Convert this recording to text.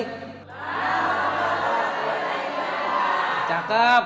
salamun allah wa barakatuh